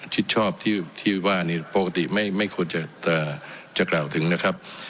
ชิดชอบที่ว่านี่ปกติไม่ควรจะกล่าวถึงนะครับ